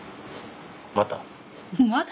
また？